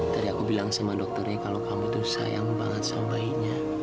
tadi aku bilang sama dokternya kalau kamu tuh sayang banget sama bayinya